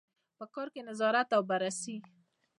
په کار کې نظارت او بررسي.